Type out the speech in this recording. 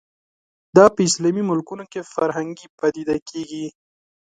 دا په اسلامي ملکونو کې فرهنګي پدیده کېږي